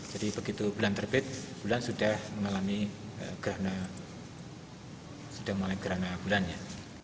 jadi begitu bulan terbit bulan sudah mengalami gerhana sudah mulai gerhana bulannya